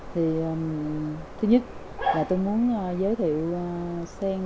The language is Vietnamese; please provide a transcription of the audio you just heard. thì thứ nhất là tôi muốn giới thiệu sen